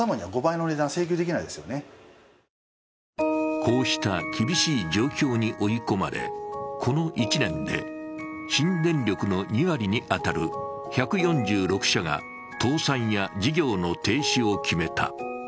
こうした厳しい状況に追い込まれ、この１年で新電力の２割に当たる１４６社が倒産や事業の停止を決めた。